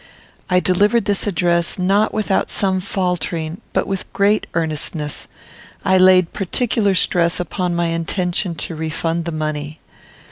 I delivered this address, not without some faltering, but with great earnestness. I laid particular stress upon my intention to refund the money.